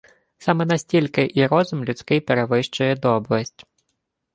Саме настільки і розум людський перевищує доблесть.